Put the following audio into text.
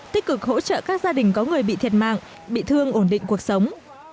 tích cực hỗ trợ các gia đình có người bị thiệt mạng bị thương ổn định cuộc sống